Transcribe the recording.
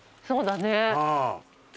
そうだね。